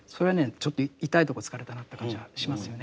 ちょっと痛いとこ突かれたなという感じはしますよね。